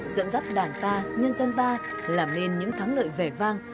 dẫn dắt đảng ta nhân dân ta làm nên những thắng lợi vẻ vang